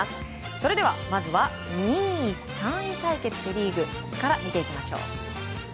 それでは、まずは２位３位対決セ・リーグから見ていきましょう。